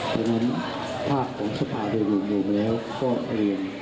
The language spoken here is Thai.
เพราะฉะนั้นภาพของสภาพโดยโดยมวมแล้วก็เป็น